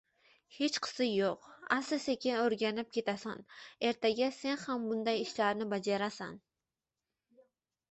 Hechqisi yo`q, asta-sekin o`rganib ketasan, ertaga sen ham bunday ishlarni bajarasan